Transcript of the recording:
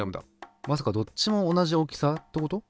まさかどっちも同じ大きさってこと？